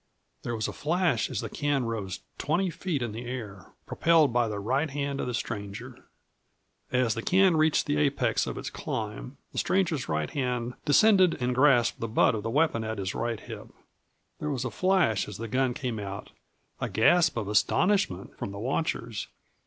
There was a flash as the can rose twenty feet in the air, propelled by the right hand of the stranger. As the can reached the apex of its climb the stranger's right hand descended and grasped the butt of the weapon at his right hip. There was a flash as the gun came out; a gasp of astonishment from the watchers.